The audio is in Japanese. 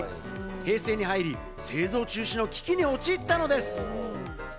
平成に入り、製造中止の危機に陥ったのです。